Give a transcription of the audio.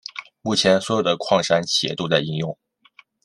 目前所有的矿山企业都在应用。